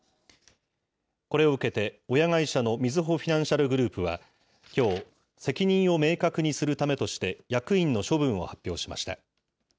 これを受けて、親会社のみずほフィナンシャルグループは、きょう、責任を明確にするためとして、役員の処分を発表しました。